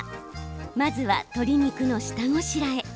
まずは、鶏肉の下ごしらえ。